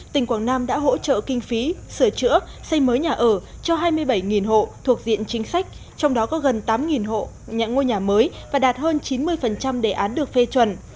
tỉnh quảng nam đã hỗ trợ kinh phí sửa chữa xây mới nhà ở cho hai mươi bảy hộ thuộc diện chính sách trong đó có gần tám hộ nhà mới và đạt hơn chín mươi đề án được phê chuẩn